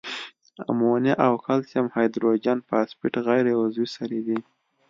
امونیا او کلسیم هایدروجن فاسفیټ غیر عضوي سرې دي.